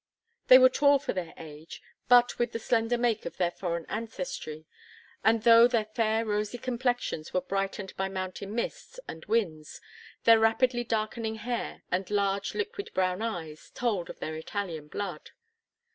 They were tall for their age, but with the slender make of their foreign ancestry; and, though their fair rosy complexions were brightened by mountain mists and winds, their rapidly darkening hair, and large liquid brown eyes, told of their Italian blood.